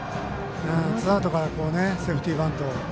ツーアウトからセーフティーバントを。